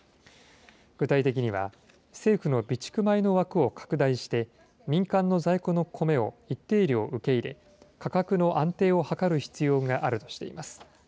具体的には政府の備蓄米の枠を拡大して、民間の在庫のコメを一定量受け入れ、価格の安定を図る必要があるとしています。